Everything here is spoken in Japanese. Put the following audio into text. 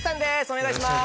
お願いします。